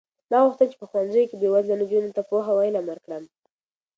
ما غوښتل چې په ښوونځي کې بې وزله نجونو ته پوهه او علم ورکړم.